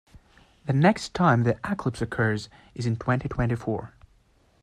The next time the eclipse occurs is in twenty-twenty-four.